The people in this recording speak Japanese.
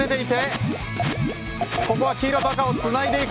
ここは黄色と赤をつないでいく。